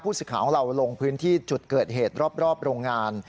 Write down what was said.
สิทธิ์ของเราลงพื้นที่จุดเกิดเหตุรอบโรงงาน